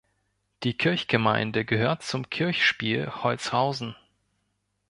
Die Kirchgemeinde gehört zum Kirchspiel Holzhausen.